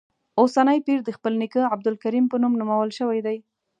اوسنی پیر د خپل نیکه عبدالکریم په نوم نومول شوی دی.